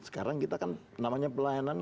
sekarang kita kan namanya pelayanan